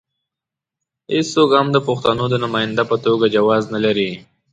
هېڅوک هم د پښتنو د نماینده په توګه جواز نه لري.